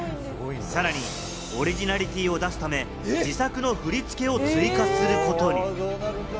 さらにオリジナリティーを出すため、自作の振り付けを追加することに。